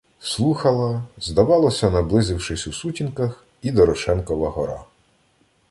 Слухала, здавалося, наблизившись у сутінках, і Дорошенкова гора.